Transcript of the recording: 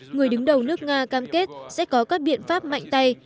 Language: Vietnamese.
người đứng đầu nước nga cam kết sẽ có các biện pháp mạnh tay